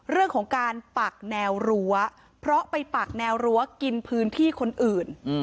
เรื่องของการปักแนวรั้วเพราะไปปักแนวรั้วกินพื้นที่คนอื่น